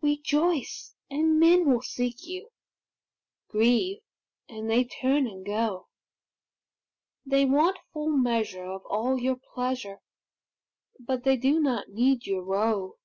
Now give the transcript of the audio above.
Rejoice, and men will seek you; Grieve, and they turn and go; They want full measure of all your pleasure, But they do not need your woe.